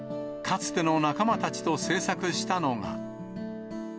かつての仲間たちと制作したのが。